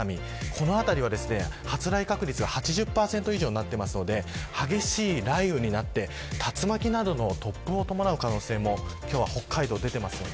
この辺りは発雷確率が８０％以上になっているので激しい雷雨になって竜巻などの突風を伴う可能性も今日は北海道に出ています。